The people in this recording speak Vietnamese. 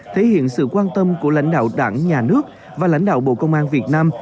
thể hiện sự quan tâm của lãnh đạo đảng nhà nước và lãnh đạo bộ công an việt nam